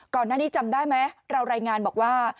ก่อนหน้านี้จำได้ไหมเรารายงานบอกว่า